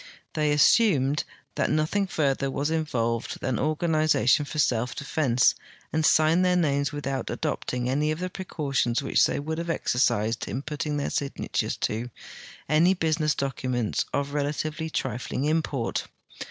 They assumed that nothing further was involved than organization for self defense, and signed their names without adopting any of the precautions which they would have exercised in putting their signatures to any Imsiness documents of relativel}'' trifling import.